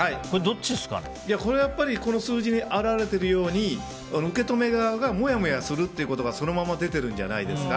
これは、この数字に表れているように受け止め側がもやもやするっていうことがそのまま出てるんじゃないですか。